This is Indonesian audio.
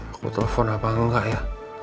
aku telfon apa enggak ya